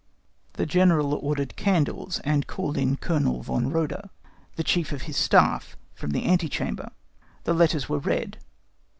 The General ordered candles, and called in Colonel von Roeder, the chief of his staff, from the ante chamber. The letters were read.